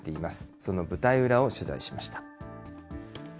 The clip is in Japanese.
その舞台裏を取材しました。